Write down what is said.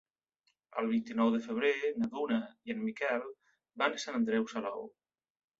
El vint-i-nou de febrer na Duna i en Miquel van a Sant Andreu Salou.